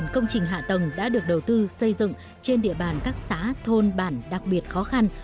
một mươi công trình hạ tầng đã được đầu tư xây dựng trên địa bàn các xã thôn bản đặc biệt khó khăn